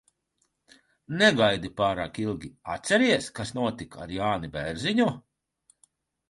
Negaidi pārāk ilgi. Atceries, kas notika ar Jāni Bērziņu?